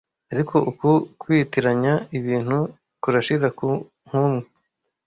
Ariko uku kwitiranya ibintu kurashira nkumwe